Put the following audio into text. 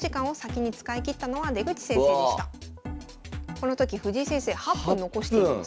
この時藤井先生８分残しています。